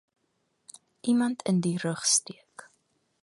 Iemand in die rug steek